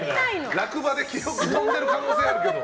落馬で記憶飛んでる可能性あるけど。